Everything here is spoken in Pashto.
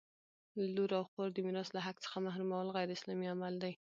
لور او خور د میراث له حق څخه محرومول غیراسلامي عمل دی!